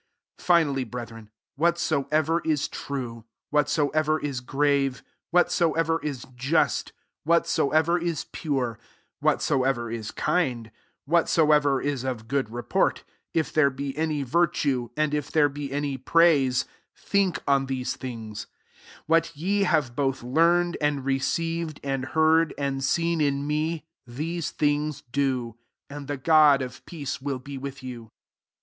8 Finally brethren, whatso ever is true, whatsoever jV grave, whatsoever is just, what soever w pure, whatsoever w kind, whatsoever is of good report, if there be any virtue, and if there ^ be any praise, think on these things ; 9 what ye have both learned, and re ceived, and heard) and seen in me, tkese things do: and the God of peace will be with you.